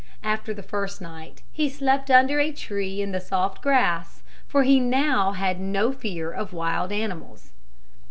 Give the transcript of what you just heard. After the first night he slept under a tree in the soft grass, for he had now no fear of wild animals.